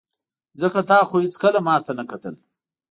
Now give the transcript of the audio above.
ځکه تا خو هېڅکله ماته نه کتل.